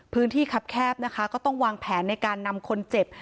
พื้นที่คับแคบก็ต้องวางแผนในการนำคนเจ็บ